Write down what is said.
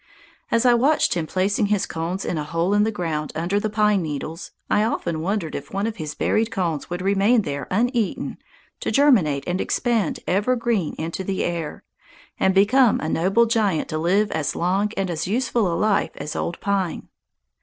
As I watched him placing his cones in a hole in the ground under the pine needles, I often wondered if one of his buried cones would remain there uneaten to germinate and expand ever green into the air, and become a noble giant to live as long and as useful a life as Old Pine.